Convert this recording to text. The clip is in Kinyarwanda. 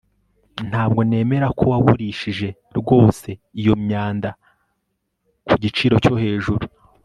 Ntabwo nemera ko wagurishije rwose iyo myanda ku giciro cyo hejuru